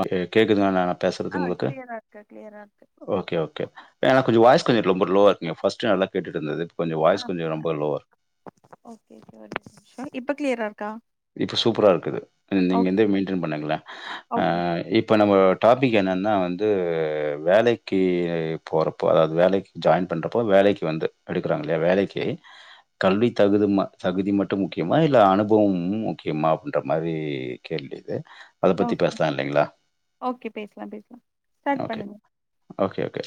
Okay கேக்குதுங்க நா பேசுறது ஆ உங்களுக்கு கிளியரா இருக்கு கிளியரா இருக்கு ஓகே ஓகே எனக்கு கொஞ்சம் வாய்ஸ் கொஞ்சம் ரொம்ப லோவா இருங்குங்க பஸ்ட் நல்ல கேட்டுட்டு இருந்தது கொஞ்சம் ஆ வாய்ஸ் கொஞ்சம் ஓகே ரொம்ப லோவா இருக்கு ஓகே ஒரு நிமிஷம் இப்பக் கிளியரா இருக்கா இப்ப சூப்பரா இருக்குது நீங்க எந்த ஓகே மெயின்டென் பண்ணுங்களே ஆ ஓகே ஓகே இப்ப நம்ம டாபிக் என்னன்னா வந்து வேலைக்கு போறப்போ அதாவது வேலைக்கு ஜாயின் பண்றப்போ வேலைக்கு வந்து எடுக்கிறாங்க இல்லையா வேலைக்கு கல்வி தகுதி தகுதி மட்டும் முக்கியமா இல்ல அனுபவம் முக்கியமா அப்படின்ற மாரி கேள்வி இது அத பத்தி ஓகே பேசலாம் இல்லைங்களா ஓகே பேசலா பேசலா ஸ்டார்ட் ஓகே பண்ணுங்க ஓகே ஓகே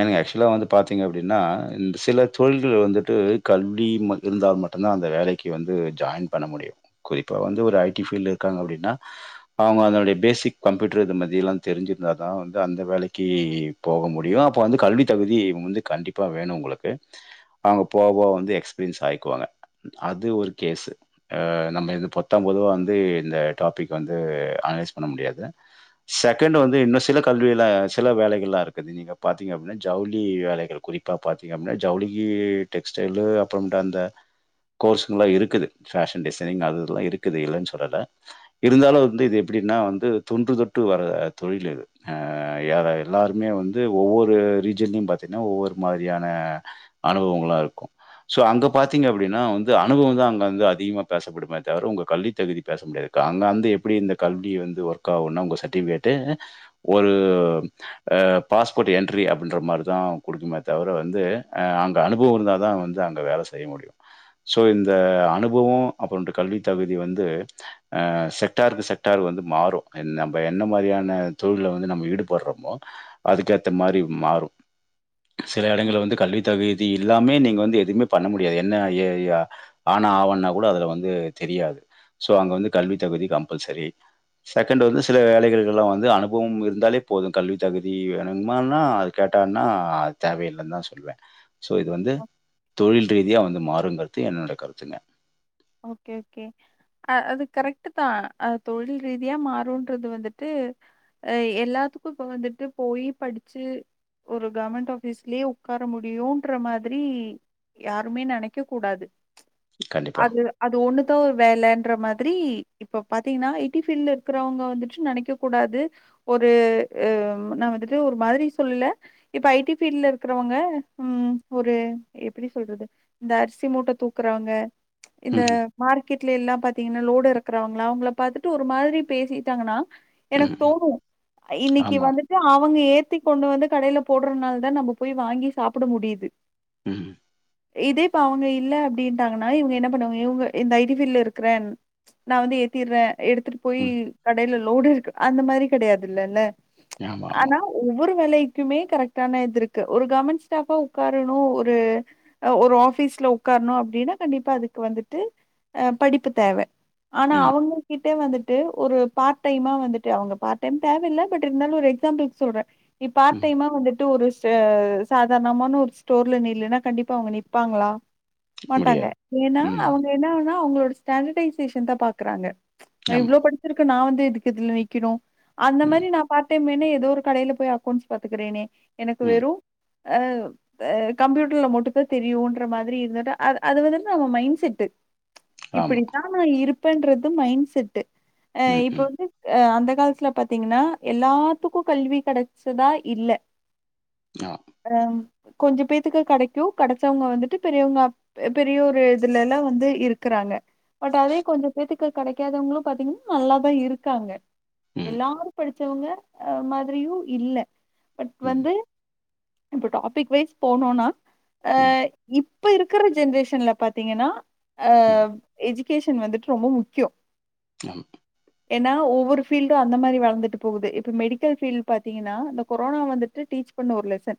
எனக்கு ஆக்சுவலாக வந்து பார்த்தீங்க அப்படின்னா இந்த சில தொழில்கள் வந்துட்டு கல்வி இருந்தால் மட்டுந்தான் அந்த வேலைக்கு வந்து ஜாயின் பண்ண முடியும் குறிப்பா வந்து ஒரு ஐடி ஃபீல்டு இருக்காங்க அப்படின்னா அவங்க அதனுடைய பேசிக் கம்ப்யூட்டர் இது மாதிரில்லா தெரிஞ்சிருந்தா தான் வந்து அந்த வேலைக்கு போக முடியும் அப்போ வந்து கல்வி தகுதி வந்து கண்டிப்பா வேணும் உங்களுக்கு அவங்க போவோ வந்து எக்ஸ்பீரியன்ஸ் ஆகிக்குவாங்க அது ஒரு கேசு ஆ நம்ம இது பொத்தாம் பொதுவா வந்து இந்த டாபிக் வந்து அனலைஸ் பண்ண முடியாது செகண்ட் வந்து இன்னும் சில கல்வி சில வேலைகள்லா இருக்குது நீங்க பாத்தீங்க அப்னா ஜவுளி வேலைகள் குறிப்பா பாத்திங்க அப்பனா ஜவுளி டெக்ஸ்டைல்லு அப்புறம் அந்த கோர்ஸுலாம் இருக்குது பேஷன் டிசை இருக்குது இல்லனு சொல்லல இருந்தாலும் வந்து இது எப்படின்னா வந்து தொன்று தொட்டு வர தொழில் ஆ எல்லாருமே வந்து ஒவ்வொரு ரீஜன் ஒவ்வொரு மாதிரியான அனுபவங்களா இருக்கும் சோ அங்க பாத்தீங்க அப்டின்னா அனுவம் தான் வந்து அதிகமா பேசப்படுமே தவர உங்க கல்வி தகுதி பேச முடியாது அங்க வந்து எப்படி இந்த கல்வி வந்து ஒர்க் ஆகும்னா உங்கள் சட்டிஃபிகேட்டு ஒரு பாஸ்போட் என்ட்ரி அப்படின்ற மாரி தான் குடுக்குமே தவிர வந்து அங்க அனுபவம் இருந்தா தான் வந்து அங்க வேல செய்ய முடியும் ஸோ இந்த அனுபவம் அப்புறம் இந்த கல்வி தகுதி வந்து அ செக்டாருக்கு செக்டாரு வந்து மாறும் நம்ம என்ன மாதிரியான தொழில்ல வந்து நம்ம ஈடுபடுறமோ அதுக்கேத்த மாதிரி மாறும் செல இடங்கல்ல வந்து கல்வி தகுதி இல்லாமே நீங்க வந்து எதுவுமே பண்ண முடியாது என்ன எ எ ஆனா ஆவனா கூட அதுல வந் வந்து தெரியாது சோ அங்க வந்து கல்வி தகுதி கம்பல்சரி செகண்ட் வந்து சில வேலைகள் எல்லாம் வந்து அனுபவம் இருந்தாலே போதும் கல்வி தகுதி வேணுங்குமான்னா அது கேட்டான்னா அது தேவையில்லன்னு தான் சொல்லுவே சோ இது வந்து தொழில் ரீதியா வந்து [unintelligible] என்னோட கருத்துங்க ஓகே ஓகே அது கரெக்ட் தா அ தொழில் ரீதியா மாறும்ன்றது வந்துட்டு எல்லாத்துக்கு இப்ப வந்துட்டு போயி படிச்சு ஒரு கவர்மெண்ட் ஆபிஸ்லயே உட்கார முடியும்ன்ற மாரி யாருமே நினைக்க கூடாது கண்டிப்பா. அது அது ஒண்ணுதா ஒரு வேலைன்ற மாதிரி ரி இப்ப பாத்தீங்கன்னா ஐடி பபீல்டல இருக்கிறவங்க வந்துட்டு நினைக்க கூடாது ஒரு அஹ் நான் வந்துட்டு ஒரு மாதிரி சொல்லல இப்ப ஐடி பபீல்ட்ல இருக்கிறவங்க ம் ஒரு எப்படி சொல்றது இந்த அரிசி மூட்டை தூக்குறவங்க இந்த ம்ஹ்ம். மார்க்கெட் வீல எல்லா பாத்தீங்கன்னா லோடு எருக்கிறாவங்களா அவங்களளை பாத்துட்டு ஒரு மாதிரி பேசிட்டாங்கன்னா எனக்கு ம்ஹ்ம். தோணு இன்னைக்கு ஆமா. வந்துட்டு அவங்க ஏ சுத்தி கொண்டு வந்து கடையில போடுறனால தான் நம்ம போய் வாங்கி சாப்ட முடியுது ம். இதே இப்ப அவுங்க இல்ல அப்டின் டாங்கன்னா இவுங்க என்ன பண்ணுவாங்க இவுங்க இந்த ஐ டி ஃபீல்ல இருக்குறேன் நா வந்து ஏத்திற்றே எடுத்துட்டு போய் ம். கடேல ரோடு இருக்கு அந்த மாரி கெடையாதுல்லல்ல ஆமா, ஆமா. ஆனா ஒவ்வொரு வேலைக்குமே கரெக்ட்டான இது இருக்கு ஒரு கவர்மண்ட் ஸ்டாஃபா உக்காரணு ஒரு அ ஒரு ஆஃபீஸ்ல உக்காரணு அப்டின்னா கண்டிப்பா அது க்கு வந்துட்டு அ படிப்பு தேவ ஆனா ம். அவுங்க கிட் கிட்ட வந்துட்டு ஒரு பார்ட் டைமா வந்துட்டு அவுங்க பார்ட் டைம் தேவயில்ல பட் இருந்தாலு ஒரு எக்ஸாம்பில்க்கு சொல்றே இ பார்ட் ம். டைம்மா வந்துட் டு ஒரு ச சாதாரணமான ஒரு ஸ்டோர்ல நில்லுன்னா கண்டிப்பா அவுங்க நிப்பாங்ளா மாட்டாங்க முடியாது. ஏன்னா ம். அவுங்க என்ன வேனா அவுங்களோட ஸ்டாண்டர்டைசேஷன் தா பாக்குறாங்க நா ஆமா. இவ்ளோ படுச்சிருக்க நா வந்து து எதுக்கு இதுல நிக்கிறோ அந்த ம். மாரி நா பார்ட் டைம் வே னே ஏதோ ஒரு கடேல போய் அக்கோண்ட்ஸ் பாத்துக்குறேனே எனக்கு ம். வெறு அ அ கம்ப்யூட்டர்ல மட்டு தா தெரியுன்ற மாதிரி இருந்துட்டு அது அது வந்து நம்ம மைண் செட்டு ஆமா. இப்பிடித்தா நா இருப் இருப்பண்றது மைண் செட்டு அ ம். இப்ப ம். வந்து அ அந்த காலத்ல பாத்தீங்கன்னா எல்லாத்துக்கு கல்வி கெடைச்சதா இல்ல ஆ. [unintelligible] கொஞ்ச பேத்துக்கு கிடைக்கும் கிடைச்சவங்க வந்துட்டு பெரியவங்க பெரி பி ஒரு இதுல எல்லா வந்து இருக்கிறாங்க பட் அதே கொஞ்ச பேத்துக்க கிடைக்காதவங்களு பாத்தீங்கன்னா நல்லாதா இருக்காங்க ம். எல்லாரு படிச்சவங்க அ மாதிரியும் இல்ல பட் ம். வந்து இப்ப டாபிக் வைஸ் போனோன்னா அ ம், இப் இப்ப இருக்கிற ஜென்ரேஷன் ச்சன்ல பாத்தீங்கன்னா அ ம். ஏஜி க்கேஷன் வந்துட்டு ரொம்ப முக்கியோ மேம் ஏன்னா ஒவ்வொரு பபீல்டும் அந்த மாரி வளந்துட்டு போகுது இப்ப மெடிக்கல் ஃபீல்டு பாத்தீங்கன்னா இந்த கொரோனா வந்துட்டு டீச் பண்ண ஒரு லெசன்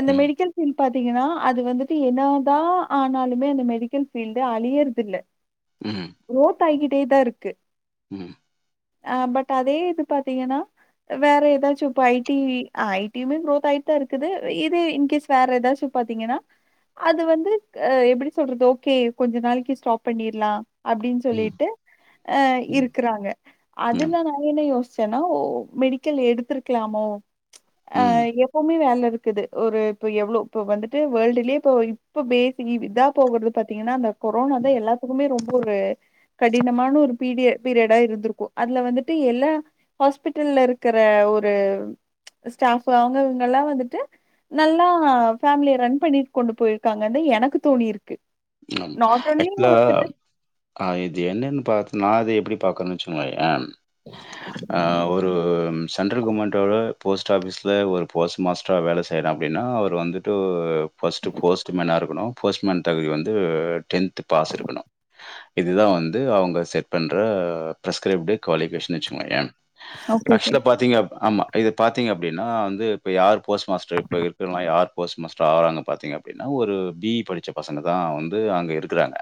அந்த ம், மெடிக்கல் ஃபீல்டு பாத்தீங்கன்னா அது வந்துட்டு என்னாதா ஆனாலு மே அந்த மெடிக்கல் ஃபீல்டு அழியறதில்ல ம் தயங்கிட்டேதா இருக்கு ம் அ பட் அதே இது பாத்தீங்கன்னா வேற எதாச்சு இப்ப ஐ டி ஐ டியுமே குரோத் ஆயிட்டுதா இருக்குது இது இன்கேஸ் வேற எதாச்சு பாத்தீங்கன்னா அது வந்து அ எப்டி சொல்றது ஓகே கொஞ்ச நாளைக்கு ஸ்டாப் பண்ணிர்லா அப்டின்னு ம், சொல்லிட்டு அ ம். இருக்கிறாங்க ஆமா. அதுல நா என்ன யோசி சன்னோ மெடிக்கல் எடுத்திருக்கலாமோ ஆ ம், எப்பவுமே வேல இருக் இருக்குது ஒரு இப்ப எவ்வளவு இப்ப வந்துட்டு வேர்ல்டலயே இப்ப பேசிக் இதுதா போகுற பாத்தீங்கன்னா அந்த கொரோனாதா ம். எல்லாத்துக்குமே ரொம் ஒரு கடினமான ஒரு பீரீயடு பீரியடா இருந்திருக்கு அதுல வந்துட்டு எல்லா ஹாஸ்பிட்டல்ல இருக்கிற ஒரு ஸ்டாஃப் அவுங்க இவுங்க எல்லா வந்துட்டு நல்லா ஃபேமிலிய ரன் பண்ணி கொண்டு போயிருக்காங்கண்டு எனக்கு தோணி இருக்கு ஓகே மேம் ஆக்சுவலா ஆ இத என்னன்னு பா நா அத எப்டி பாக்கறன்னு வெச்சுகோங்கயேன் அ ஒரு சென்ட்ரல் கவர்மெண்ட்டோட போஸ்ட் ஆஃபிஸில ஒரு போஸ்ட் மாஸ்டரா வேல செய்யற அப்டினா அவர் வந்துட்டு ஃபஸ்ட்டு போஸ்ட் மேனா இருக்கணு போஸ்ட்மேன் தகுதி வந்து அது டென்த் த்து பாஸ் இருக்கணு இதுதா வந்து அவுங்க செட் பண்ற பிரஸ்க்ரைப்டு குவாலிபிகேஷன் வெச்சுக்கோங்கயே ஓகே ஓகே ஃபர்ஸ்ட்ல பாத்தீங்க ஆமா இத பாத்தீங்க அப்டினா வந்து இப்போ யார் போஸ்ட் மாஸ்டர் இப்போ இருக்கிறவல்லா யார் போஸ்ட் மாஸ்டரா ஆவுறாங்க பாத்தீங்கன்னா அப்டினா ஒரு பி இ படிச்ச பசங்க தா வந்து அங்க இருக்கிறாங்க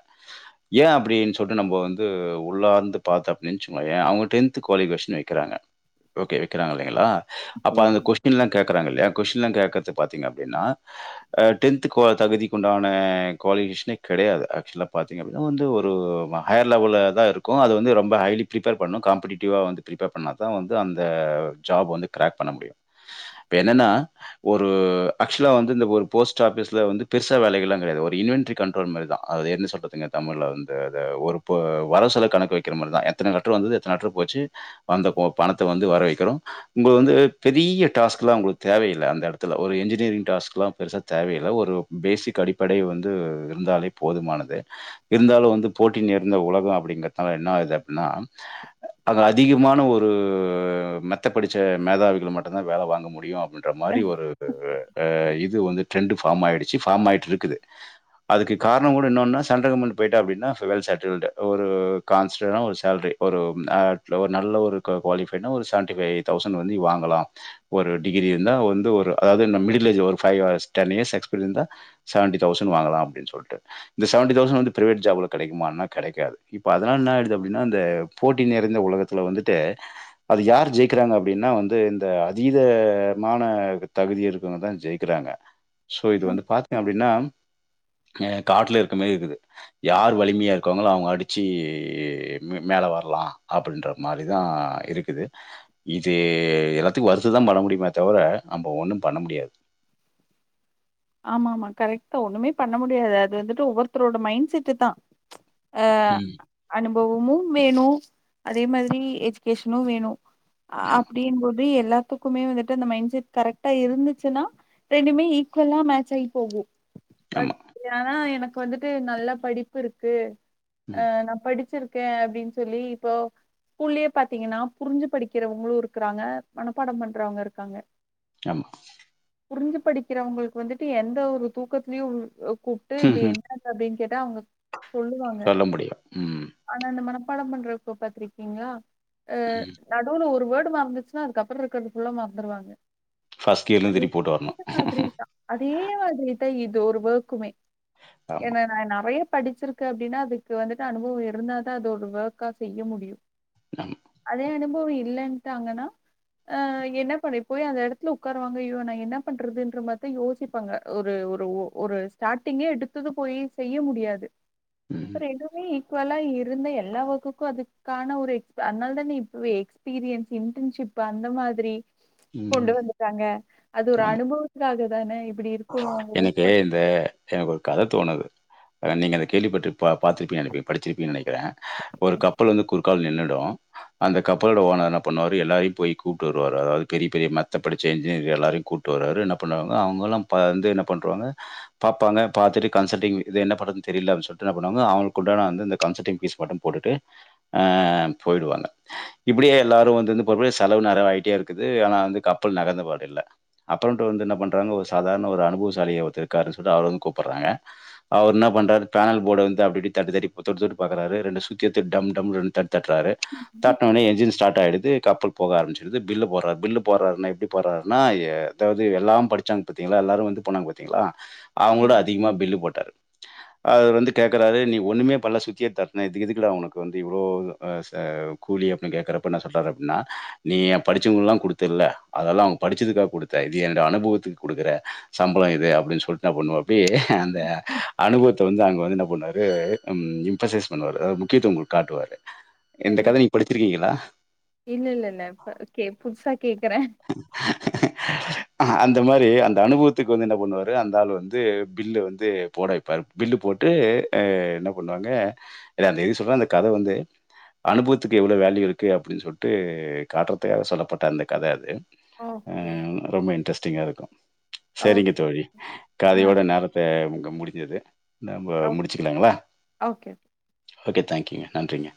ஏ அப்டின்னு சொல்ட்டு நம்ம வந்து உள்ளாந்து பாத்த அப்டின்னு வெச்சுகோங்யே அவுங்க டென்த் குவாலிபிகேஷன் வைக்கிறாங்க ஓகே வெக்கிறாங்க வைங்களா அப்ப அந்த கொஸ்டின்லா கேட் கேக்குறாங்க இல்லையா கொஸ்டின்லா கேக்கறது பாத்தீங்க அப்டின்னா ஆ டென்த்துக்கோ தகுதிக்குண்டான குவாலிஃபிகேஷனே கெடையாது ஆக்சுவலா பாத்தீங்க அப்டினா வந்து ஒரு ஹயர் லெவல்ல தா இருக்கு அது வந்து ரொம்ப ஹைலி பிரிப்பர் பண்ணு காம்படிட்டிவா வந்து பிரிபர் பண்ணா தா வந்து அந்த ஜாப் வந்து க்ராக் பண்ண முடியு இப்ப என்னன்னா ஒரு ஆக்சுவலா வந்து இந்த ஒரு போஸ்ட் ஆஃபிஸ்ல வந்து பெருசா வேலைகள்லா கெடையாது ஒரு இன்வென்ட்ரி கண்ட்ரோல் மாரிதா அது என்ன சொல்றதுங்க தமிழ்ல வந்து அத ஒரு போ வரவுசெலவு கணக்கு வக்கிற மாரிதா எத்தன லெட்ரு வந்தது எத்தன லெட்ரு போச்சு வந்த போ பணத்த வந்து வரவு வைக்கணு இங்க வந்து பெரிய டாஸ்க்லா உங்களுக் தேவயில்ல அந்த எடத்துல ஒரு என்ஜினியரிங் டாஸ்க்லா பெருசா தேவ இல்ல ஒரு பேசிக் அடிப்படை வந்து து இருந்தாலே போதுமானது இருந்தாலு வந்து போட்டி நேர்ந்த உலகோ அப்டிங்கிறதுனால என்ன‌ ஆகுது அப்டின்னா அதா அதிகமான ஒரு மெத்த படுச்ச மேதாவிகள மட்டுந்தா வேல வாங்க முடியு ன்ற மாரி ஒரு ஆ அ இது வந்து ட்ரெண்டு ஃபாம் ஆயிடுச்சு ஃபார்ம் ஆயிட்டு இருக்குது அதுக்கு காரணங்கூட இன்னொன்னா சண்ட கம்பெனில போயிட்டோ அப்டின்னா சொ வெல் செட்டில்டு ஒரு கான்ஸ்டண்டா ஒரு சேல்ரி ஒரு ஆ ஒரு நல்ல ஒரு கு குவாலிஃபைட்னா ஒரு செவன்ட்டிஃபை தௌசண்ட் வந்து நீ வாங்கலா ஒரு டிகிரி இருந்தா வந்து ஒரு அதாவது இந்த மிடில் ஏஜ்ஜு ஒரு five or ten years experience இருந்தா செவண்டி தௌசண்ட் வாங்கலா அப்டின்னு சொல்ட்டு இந்த செவண்டி தௌசண்ட் வந்து பிரைவேட் ஜாப்ல கெடைக்குமான்னா கெடைக்காது இப்ப அதனால என்ன ஆயிடுது அப்டின்னா இந்த போட்டி நிறைந்த உலகத்துல வந்துட்டு அது யார் ஜெயிக்கிறாங்க அப்டின்னா வந்து இந்த அதீதமான தகுதி இருக்கறவங்கதா ஜெயிக்கிறாங்க சோ இது வந்து பாத்தீங்க அப்டின்னா ஆ காட்ல இருக்கமேரி இருக்குது யார் வலிமையா இருக்காங்களோ அவுங்க அடிச்சு மே மேல வர்லா அப்டின்ற மாரிதா இருக்குது இது எல்லாத்துக்கு வருத்ததா பட முடியுமே தவிர நம்ப ஒண்ணு பண்ண முடியாது ஆமா ஆமா கரெக்ட்தா ஒண்ணுமே பண்ண முடியாது அது வந்துட்டு ஒவ்வொருத்தரோட மைண்ட் செட்டுதா ம் பவமும் வேணு அதே மாதிரி எஜுகேஷனு வேணு ஆமா, அப்டின்போது எல்லா த்துக்குமே வந்துட்டு அந்த மைண்ட்செட் கரெக்டா இருந்துச்சுன்னா ரெண்டுமே இக் குவலா மேச்சாயி போகு பட் ஆமா. ஆனா எனக் கு வந்துட்டு நல்ல படிப்பு இருக்கு ம். ஆ நா படிச்சிருக் கே அப்டின்னு சொல்லி இப்போ ஸ்கூல்லயே பாத்தீங்கன்னா புரிஞ்சு படிக்கிறவங்களு இருக்குறாங்க மனப்பாட பண்றவங்க இருக்காங்க ஆமா புரிஞ்சு படிக் கிறவங்களுக்கு வந்துட்டு எந்த ஒரு தூக்கத்துலயு ம் உ கூப்ட்டு இது ம்ஹ்ம். என்னது அப்டின் கேட்டா அவுங்க சொல்ல முடியு ம் பாடம் பண்றப்போ பாத்துருக்கீங்களா ஆ ம். நடுவுல ஒரு வேர்ட் ட்டு மறந்துச்சுன்னா அதுக்கப்புற இருக்கறது ஃபுல்லா மறந்துருவாங்க ஃபஸ்ட் இயர்லேந்து ரிப்போர்ட் வர்ணு அப்டின்ட்டா அதே மாதிரி தா இது ஒரு ஒர்க்குமே ஆமா, ஏன்னா நா நெறைய படிச்சிருக்க அப்டின்னா அதுக்கு வந்துட்டு அனுபவோ இருந்தாதா அது ஒரு ஒர்க்கா செய்ய முடியு ஆமா. அதே அனு பவோ இல்லேன்ட்டாங்கன்னா ஆ என்ன பண்ணி போய் அந்த எடத்துல உக்காருவாங்க ஐயோ நா என்ன பண்றதுன்ற மார்தா யோசிப்பாங்க ஒரு ஒரு ஒ ஒரு ஸ்டார்டிங்கே எடுத்தது போயி செய்ய முடியாது அப்பற ம். எதுமே ஈக்வலா இருந்தா எல்லா ஒர்க்குக்கு அதுக்கான ஒரு எக்ஸ்ப் அன்னால் தானே இப்பவே எக்ஸ்பீரியன்ஸ் இன்டன்ஷிப் அந்த மாதிரி கொண்டு ம். வந்துடாங்க அது இது ஒரு ஆமா. அனுபவுத்துக்காக தானே இ எனக்கு இந்த எனக்கொரு கத தோணுது அ நீங்க அத கேள்விபட்டு பா பாத்திருப்பீனனுப்பியு படிச்சிருப்பீங் நெனைக்கிறே ஒரு கப்பல் வந்து குறுக்கால் நின்னு ரு அந்த கப்பலோட ஓனர் என்ன பண்ணுவாரு எல்லாரையு போயி கூப்ட்டு வருவாரு அதாவ்து பெரி பெரிய மெத்த படிச்ச எஞ்ஜினியர் எல்லாரையு கூட்டு வராரு என்ன பண்ணுவாங்னா அவுங்கல்லாம் ப அது வந்து என்ன பண்ருவாங்க பாப்பாங்க பாத்துட்டு கன்சல்டிங் இது என்ன பண்றதுன் தெரில்ல அப் சொல்ட்டு என்ன பண்ணுவாங்க அவுங்ள் கூட நா வந்து இந்த கன்சல்டிங் ஃபீஸ் மட்டு போட்டுட்டு ஆ போயிடுவாங்க இப்பிடியே எல்லாரு வந்து வந்து போறப்ப செலவு நெறயவாய்ட்டே இருக்குது ஆனா வந்து கப்பல் நகந்த பாடு இல்ல அப்பறன்டு வந்து என்ன பண்றாங்க ஒ சாதார்ண ஒரு அனுபுவசாலி ஒருத்தர் இருக்காருன் சொல்ட்டு அவுர வந் கூப்பட்றாங்க அவர் என்ன பண்றாரு பேன்ல் போட வந்து அப்டிப்டி தட்டி தட்டி தொட்டு தொட்டு பாக்கறாரு ரெண்டு சுத்தி எட்த்து டம் டம்ன் ரெண் தட் தட்றாரு தட்னோனே என்ஜின்ஸ் டாட் ஆயிடுது கப்பல் போக ஆரம்ச்சுடுது பில்லு போட்றாரு பில்லு போட்றாருன்னா எப்டி போட்றாருன்னா இ அதாவ்து எல்லாம் படிச்சாங் பாத்தீங்களா எல்லாரு வந்து போனாங் பாத்தீங்களா அவுங்ளொட பண்ணி அதிகமா பில்லு போட்டாரு அவுரு வந்து கேக்கறாரு நீ ஒண்ணுமே பண்ல சுத்திய எட்த் தட்ன இதுக்கு எதுக்குடா உனக்கு வந்து இவ்ளோ ஆ ச கூலி அப்டின் கேக்கறப்ப என்ன சொல்றாரு அப்ட்ன்னா நீ எ படிச்சவங்கெல்லா குடுத்தில்ல அதெல்லா அவுங் படிச்சதுக்கா குடுத்த இது என்னோட அனுபவத்துக்கு குடுக்குற சம்பளோ இது அப்டின் சொல்ட்டு அ பண்ணுவா இப்டியே அந்த அனுபவுத்த வந்து அங்க வந்து என்ன போனாரு ம் இம்பசைஸ் பண்ணுவாரு அதா முக்கியத்துவோ உங்ளுக் காட்டுவாரு இந்த கத கண்டிப் நீங்க படிச்சிருக்கீங்களா? இல்லில்லில்ல இப்ப கே புதுசா கேக்கறே அஹ அ ந்த மாரி அந்த அனுபவுத்துக்கு வந்து என்ன பண்ணுவாரு அந்த ஆளு வந்து பில்ல வந்து போட வெப்பாரு பில்லு போட்டு அ என்ன பண்ணுவாங்க இல்ல அந்த எதுக் சொல்றே அந்த கத வந்து அனுபவுத்துக்கு எவ்ளோ வேல்யூ இருக்கு அப்டின் சொல்ட்டு காட்றத்துக்காக சொல்லப்பட்ட அந்த கத அது அ ஓகே ரொம்ப இன்ட்ரெஸ் டிங்கா இருக்கு ஓ செரிங்க தோழி ஆ கதையோட நேரத்த கம் முடிஞ்சிது நம்ப ஓ முடிச்சிக்லாங்களா ஓகே ஓகே தேங்க்யூங்க நன்றிங்க